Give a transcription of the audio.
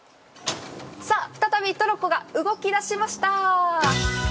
再びトロッコが動き出しました。